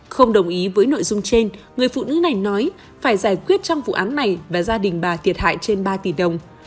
không đồng ý với nội dung trên người phụ nữ này nói phải giải quyết trong vụ án này và gia đình bà thiệt hại trên ba tỷ đồng